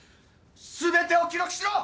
全てを記録しろ！